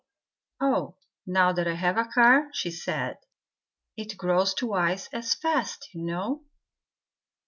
"Oh, now that I have a car," she said, "It grows twice as fast, you know.